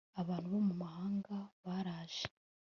abantu bo mu mahanga baraje